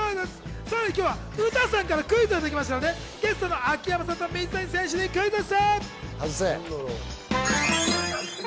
さらに今日は詩さんからクイズをいただきましたのでゲストの秋山さんと水谷選手にクイズッス。